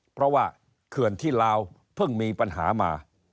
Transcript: เพราะว่าเขื่อนที่ลาวเพิ่งมีปัญหามา